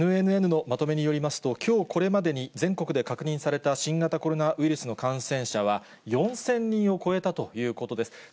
ＮＮＮのまとめによりますと、きょうこれまでに全国で確認された新型コロナウイルスの感染者は、４０００人を超えたということです。